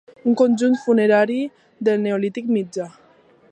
Un conjunt funerari del neolític mitjà.